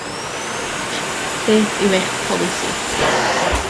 Beth yw eich polisi?